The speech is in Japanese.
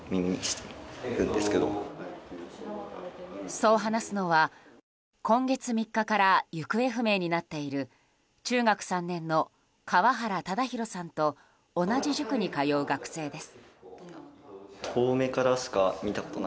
そう話すのは今月３日から行方不明になっている中学３年の川原唯滉さんと同じ塾に通う学生です。